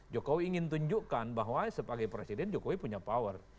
jokowi ingin tunjukkan bahwa sebagai presiden jokowi punya power